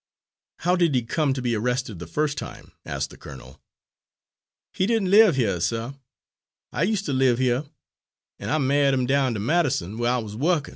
"How did he come to be arrested the first time?" asked the colonel. "He didn't live hyuh, suh; I used ter live hyuh, an' I ma'ied him down ter Madison, where I wuz wukkin'.